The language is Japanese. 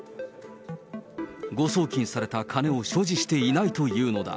誤送金された金を所持していないというのだ。